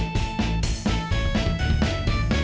kamu pegangan erat ya